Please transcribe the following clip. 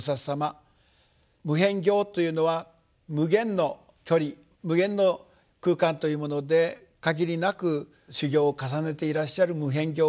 「無辺行」というのは無限の距離無限の空間というもので限りなく修行を重ねていらっしゃる無辺行菩薩。